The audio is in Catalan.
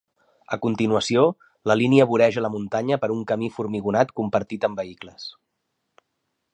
A continuació, la línia voreja la muntanya per un camí formigonat compartit amb vehicles.